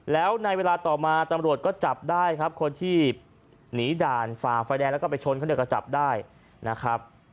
แล้วในเวลาต่อมาตำรวจก็จับได้ครับคนที่หนีด่านฝ่าไฟแดงแล้วก็ไปชนเขาเนี่ยก็จับได้นะครับ